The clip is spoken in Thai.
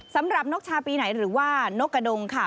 สำหรับนกชาปีไหนหรือว่านกกระดงค่ะ